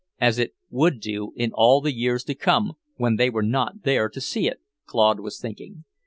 as it would do in all the years to come, when they were not there to see it, Claude was thinking.